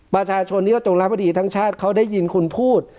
ประชาชนที่เขาจงรับพอดีทั้งชาติเขาได้ยินคุณพูด